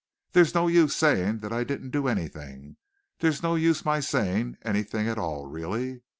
There's no use saying that I didn't do anything. There's no use my saying anything at all, really.